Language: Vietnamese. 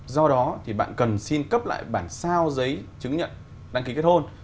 do đó thì bạn cần xin cấp lại bản sao giấy chứng nhận đăng ký kết hôn